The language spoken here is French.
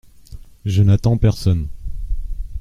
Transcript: Je n’attends personne.